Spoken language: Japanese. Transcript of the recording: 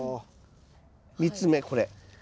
３つ目これ。